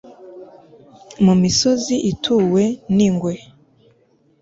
mu misozi ituwe n'ingwe